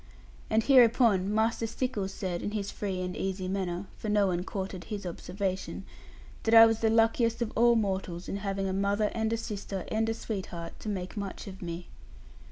And hereupon Master Stickles said, in his free and easy manner (for no one courted his observation), that I was the luckiest of all mortals in having a mother, and a sister, and a sweetheart, to make much of me.